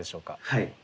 はい。